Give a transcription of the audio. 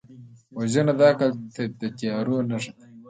وژنه د عقل د تیارو نښه ده